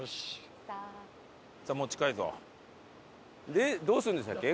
でどうするんでしたっけ？